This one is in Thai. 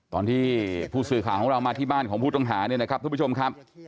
ตอนที่ผู้สื่อข่าวของเรามาที่บ้านของผู้ต้องหาเนี่ยนะครับทุกผู้ชมครับ